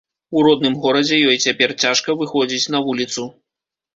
У родным горадзе ёй цяпер цяжка выходзіць на вуліцу.